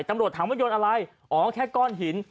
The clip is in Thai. ตำรวจถามว่าโยนอะไรอ๋อแค่ก้อนหิน